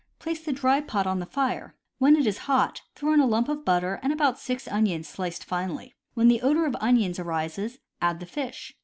Place the dry pot on the fire; when it is hot, throw in a lump of butter and about six onions sliced finely. When the odor of onion arises, add the fish.